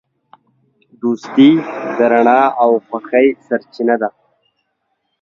دوستي د رڼا او خوښۍ سرچینه ده.